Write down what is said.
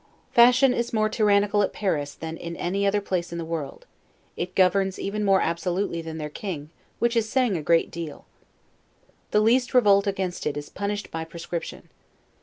Fashion is more tyrannical at Paris than in any other place in the world; it governs even more absolutely than their king, which is saying a great deal. The least revolt against it is punished by proscription.